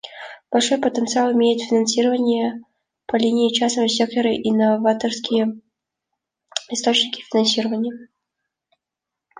Большой потенциал имеют финансирование по линии частного сектора и новаторские источники финансирования.